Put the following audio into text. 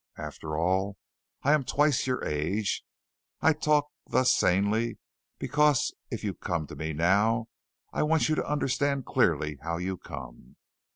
After all, I am twice your age. I talk thus sanely because if you come to me now, I want you to understand clearly how you come.